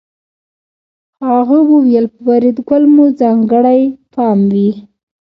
هغه وویل په فریدګل مو ځانګړی پام وي